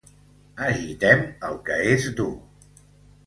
Agitem el que és dur.